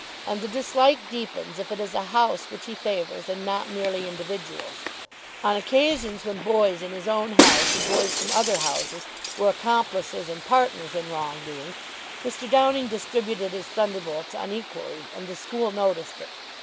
And the dislike deepens if it is a house which he favours and not merely individuals. On occasions when boys in his own house and boys from other houses were accomplices and partners in wrong doing, Mr. Downing distributed his thunderbolts unequally, and the school noticed it.